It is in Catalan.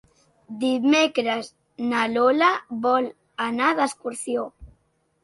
Dimecres na Lola vol anar d'excursió.